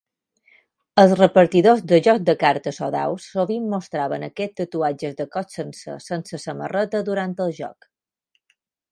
Els repartidors de jocs de cartes o daus sovint mostraven aquests tatuatges de cos sencer sense samarreta durant el joc.